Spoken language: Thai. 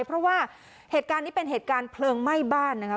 เพราะว่าเหตุการณ์นี้เป็นเหตุการณ์เพลิงไหม้บ้านนะคะ